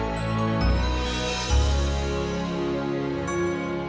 terima kasih allah